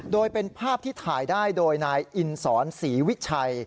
โดยเป็นภาพที่ถ่ายได้โดยนายอินสอนศรีวิชัย